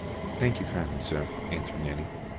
"Thank you kindly, sir," answered Nanny.